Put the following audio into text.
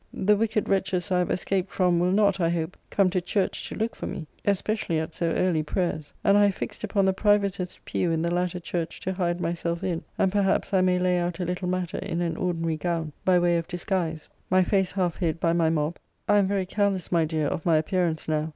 The wicked wretches I have escaped from, will not, I hope, come to church to look for me; especially at so early prayers; and I have fixed upon the privatest pew in the latter church to hide myself in; and perhaps I may lay out a little matter in an ordinary gown, by way of disguise; my face half hid by my mob. I am very careless, my dear, of my appearance now.